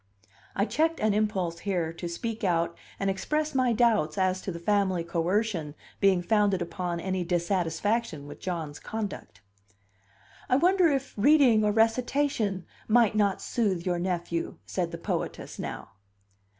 I checked an impulse here to speak out and express my doubts as to the family coercion being founded upon any dissatisfaction with John's conduct. "I wonder if reading or recitation might not soothe your nephew?" said the poetess, now.